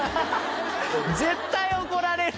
絶対怒られる